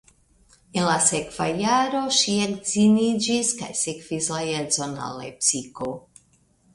En la sekva jaro ŝi edziniĝis kaj sekvis la edzon al Lepsiko.